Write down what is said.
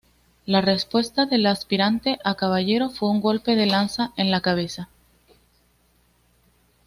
La respuesta del aspirante a caballero fue un golpe de lanza en la cabeza.